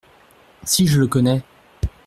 Si je le connais !